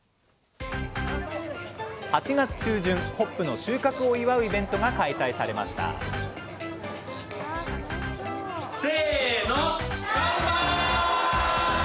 ８月中旬ホップの収穫を祝うイベントが開催されましたせの。